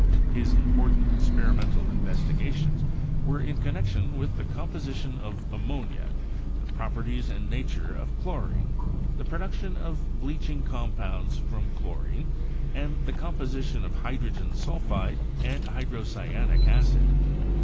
His important experimental investigations were in connection with the composition of ammonia, the properties and nature of chlorine, the production of bleaching compounds from chlorine, and the com position of hydrogen sulphide and hydrocyanic acid.